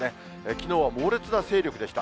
きのうは猛烈な勢力でした。